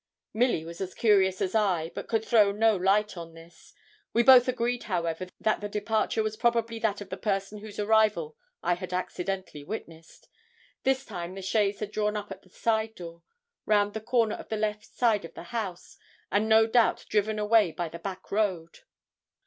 Milly was as curious as I, but could throw no light on this. We both agreed, however, that the departure was probably that of the person whose arrival I had accidentally witnessed. This time the chaise had drawn up at the side door, round the corner of the left side of the house; and, no doubt, driven away by the back road.